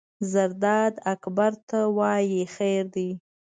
زرداد اکبر جان ته وایي: خیر دی.